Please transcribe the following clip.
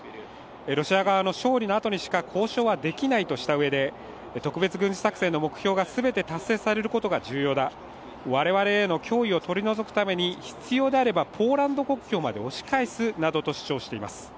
ロシア側の勝利のあとにしか交渉はできないとしたうえで特別軍事作戦の目標が全て達成されることが重要だ我々への脅威を取り除くために、必要であればポーランド国境まで押し返すなどと主張しています。